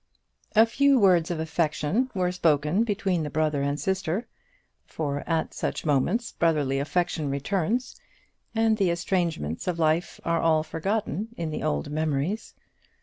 A few words of affection were spoken between the brother and sister, for at such moments brotherly affection returns, and the estrangements of life are all forgotten in the old memories.